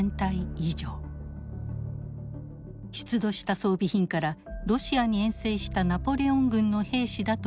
出土した装備品からロシアに遠征したナポレオン軍の兵士だと判明しました。